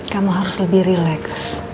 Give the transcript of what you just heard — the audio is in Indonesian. kamu harus lebih relax